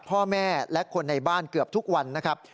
พ่อแม่และคนในบ้านเกือบทุกวันนะครับ